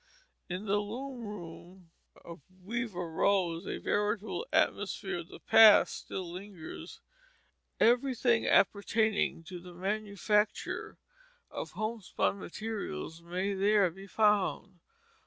In the loom room of Weaver Rose a veritable atmosphere of the past still lingers. Everything appertaining to the manufacture of homespun materials may there be found.